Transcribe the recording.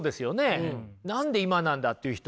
何で今なんだっていう人も多いです。